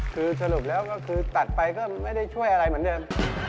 คือสรุปแล้วก็คือตัดไปก็ไม่ได้ช่วยอะไรเหมือนเดิม